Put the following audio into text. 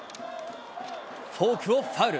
フォークをファウル。